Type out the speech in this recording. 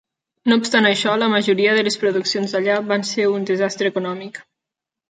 No obstant això, la majoria de les produccions allà van ser un desastre econòmic.